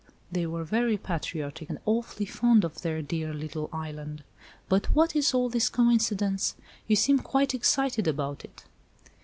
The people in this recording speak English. They were very patriotic, and awfully fond of their dear little island. But what is all this coincidence? You seem quite excited about it."